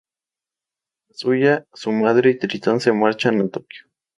Kazuya, su madre y Tritón se marchan a Tokio.